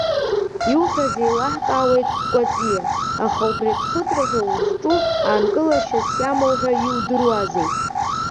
Иуҳәаз еилаҳкаауеит, Кәаҵиа, аха убри аӡхыҵра ҳәа узҿу аанкылашьас иамоу ҳәа иудыруазеи?